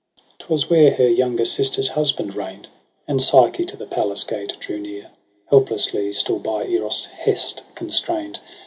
HO EROS (^ PSYCHE 'Twas where her younger sister's husband reign'd : And Psyche to the palace gate drew near. Helplessly still by Eros' hest constrain'd.